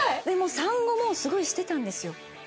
でも産後もすごいしてたんですよ。